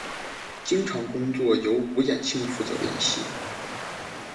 经常工作由吴衍庆负责联系。